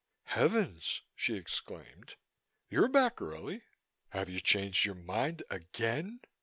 "Heavens!" she exclaimed, "you're back early. Have you changed your mind again?"